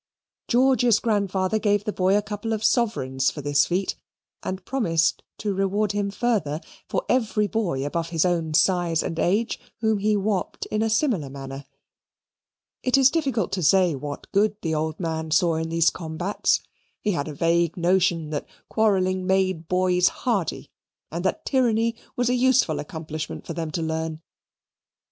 George's grandfather gave the boy a couple of sovereigns for that feat and promised to reward him further for every boy above his own size and age whom he whopped in a similar manner. It is difficult to say what good the old man saw in these combats; he had a vague notion that quarrelling made boys hardy, and that tyranny was a useful accomplishment for them to learn.